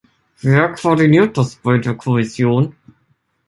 Wer koordiniert das bei der Kommission?